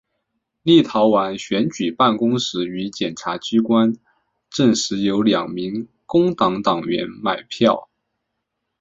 立陶宛选举办公室与检察机关证实有两名工党党员买票。